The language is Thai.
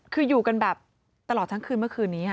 คืออยู่กันแบบตลอดทั้งคืนเมื่อคืนนี้